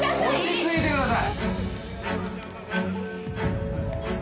落ち着いてください！